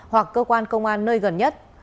hoặc cơ quan công an nơi gần nhất